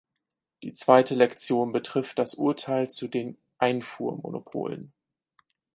Die zweite Lektion betrifft das Urteil zu den Einfuhrmonopolen.